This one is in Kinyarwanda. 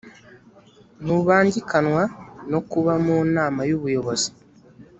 ntubangikanywa no kuba mu nama y ubuyobozi